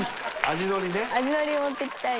味のり持っていきたい。